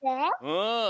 うん。